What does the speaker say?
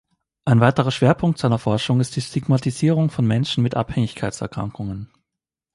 Ein weiterer Schwerpunkt seiner Forschung ist die Stigmatisierung von Menschen mit Abhängigkeitserkrankungen.